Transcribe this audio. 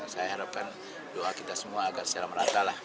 saya harapkan doa kita semua agar secara merata lah